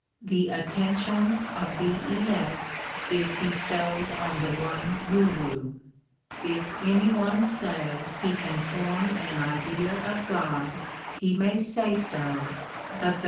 The attention of the elect is bestowed on the one Guru. 5 If any one say he can form an idea of God, he may say so, 1 Magun.